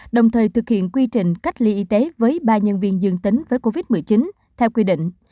đồng thời thực hiện quy trình cách ly y tế với ba nhân viên dương tính với covid một mươi chín theo quy định